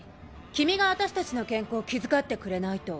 君があたしたちの健康を気遣ってくれないと。